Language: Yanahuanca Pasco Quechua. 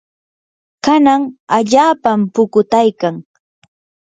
kanan allaapam pukutaykan.